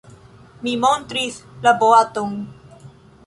Mi montris la boaton.